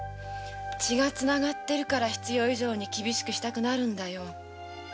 血が繋がってるから必要以上に厳しくしたくなるんだよ。